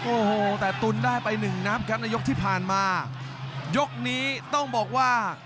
โอ้โหแต่ตุนได้ไปหนึ่งนับครับในยกที่ผ่านมายกนี้ต้องบอกว่า